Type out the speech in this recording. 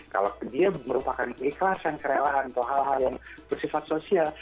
kalau dia merupakan keikhlasan kerelaan atau hal hal yang bersifat sosial